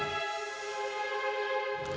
kamu harus pergi dari kehidupan mereka